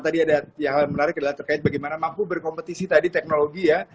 tadi ada yang menarik adalah terkait bagaimana mampu berkompetisi tadi teknologi ya